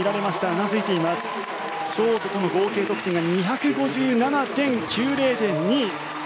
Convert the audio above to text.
ショートとの合計得点が２５７．９０で２位。